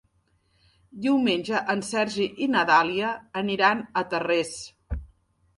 Diumenge en Sergi i na Dàlia aniran a Tarrés.